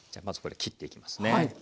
まずこれ切っていきますね。